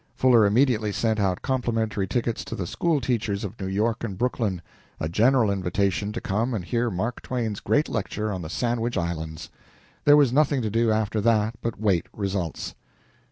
Fuller immediately sent out complimentary tickets to the school teachers of New York and Brooklyn a general invitation to come and hear Mark Twain's great lecture on the Sandwich Islands. There was nothing to do after that but wait results.